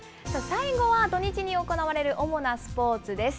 最後は土日に行われる主なスポーツです。